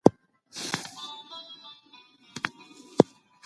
مشرانو به د خلکو د حقوقو د ساتنې غوښتنه کوله.